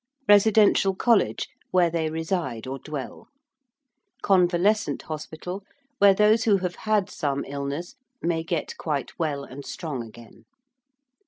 ~residential college~: where they reside or dwell. ~convalescent hospital~: where those who have had some illness may get quite well and strong again.